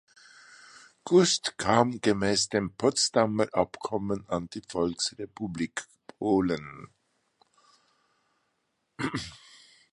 Gust kam gemäß dem Potsdamer Abkommen an die Volksrepublik Polen.